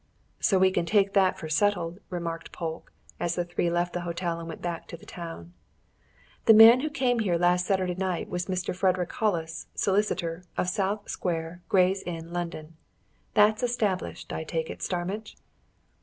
"So we can take that for settled," remarked Polke, as the three left the hotel and went back to the town. "The man who came here last Saturday night was Mr. Frederick Hollis, solicitor, of South Square, Gray's Inn, London. That's established, I take it, Starmidge?"